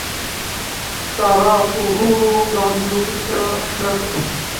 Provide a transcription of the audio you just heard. ساره پّ ورو ورو د علي له خوي سره اشنا شوله